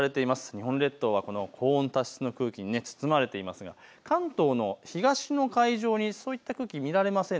日本列島は高温多湿の空気に包まれていますが関東の東の海上にそういった空気、見られません。